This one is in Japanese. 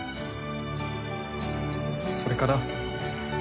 ・それから。